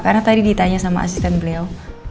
karena tadi ditanya sama asisten beliau